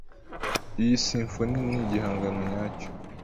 Iyi simfoni ni igihangano nyacyo.